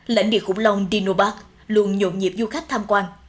lãnh địa khủng long dinobark luôn nhộn nhịp du khách tham quan